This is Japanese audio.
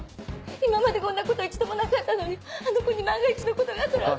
今までこんなこと一度もなかったのにあの子に万が一のことがあったら私は。